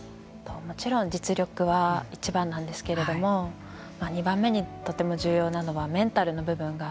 もちろん実力は一番なんですけれども２番目にとても重要なのはメンタルの部分が非常に大事で。